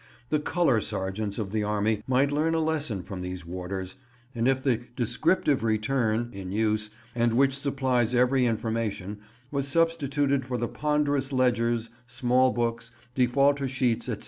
The colour sergeants of the army might learn a lesson from these warders, and if the "descriptive return" in use, and which supplies every information, was substituted for the ponderous ledgers, small books, defaulter sheets, etc.